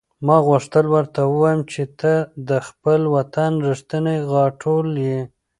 ما غوښتل ورته ووایم چې ته د خپل وطن رښتینې غاټول یې.